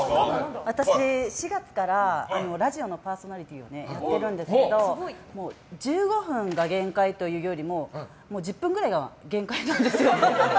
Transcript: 私、４月からラジオのパーソナリティーをやってるんですけど１５分が限界というよりももう１０分くらいが限界なんですよ。